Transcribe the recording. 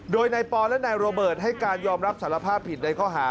โดยนายปอและนายโรเบิร์ตให้การยอมรับสารภาพผิดในข้อหา